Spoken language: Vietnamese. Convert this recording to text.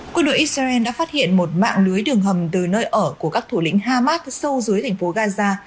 quân đội israel đã phát hiện một mạng lưới đường hầm từ nơi ở của các thủ lĩnh hamas sâu dưới thành phố gaza